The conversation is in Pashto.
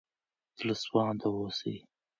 زړه سوانده اوسئ.